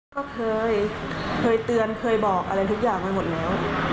ก็เคยเคยเตือนเคยบอกอะไรทุกอย่างไปหมดแล้ว